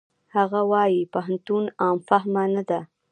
هغه وايي پوهنتون عام فهمه نه ده.